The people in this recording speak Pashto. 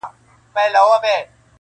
ستا په تصویر پسې اوس ټولي بُتکدې لټوم،